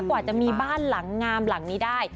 กว่าจะมีบ้านหลังงามหลังนี้ได้